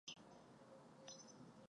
Řešení hladu ve světě je dlouhodobý úkol.